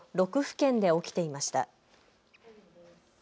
県で起きていました。